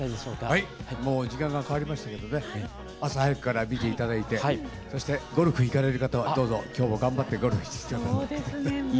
もう時間がかかりましたけどね朝早くから見て頂いてそしてゴルフ行かれる方はどうぞ今日も頑張ってゴルフして下さい。